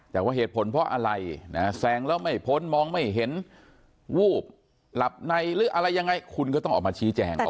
แต่ว่าเหตุผลเพราะอะไรนะแซงแล้วไม่พ้นมองไม่เห็นวูบหลับในหรืออะไรยังไงคุณก็ต้องออกมาชี้แจง